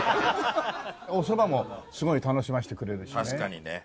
おそばもすごい楽しませてくれるしね。